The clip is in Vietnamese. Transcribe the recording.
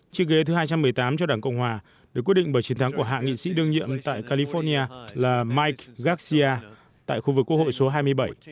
chiếc ghế thứ hai trăm một mươi tám cho đảng cộng hòa được quyết định bởi chiến thắng của hạ nghị sĩ đương nhiệm tại california là mike garcia tại khu vực quốc hội số hai mươi bảy